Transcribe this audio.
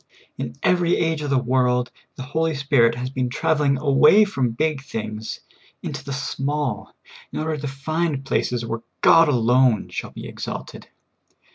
In every age of the world, the Holy Spirit has been traveling away from big things into the small, in order to find places where God alone shall be exalted.